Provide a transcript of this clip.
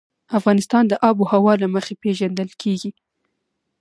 افغانستان د آب وهوا له مخې پېژندل کېږي.